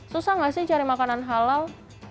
susah nggak sih cari makanan halal